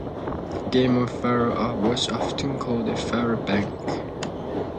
A game of faro was often called a "faro bank".